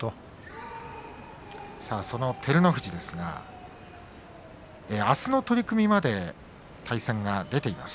その照ノ富士ですがあすの取組まで対戦が出ています。